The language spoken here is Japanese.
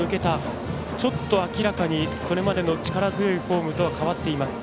明らかにそれまでの力強いフォームとは変わっています。